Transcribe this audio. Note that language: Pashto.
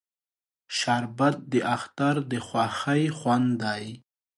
شربت د اختر د خوښۍ خوند دی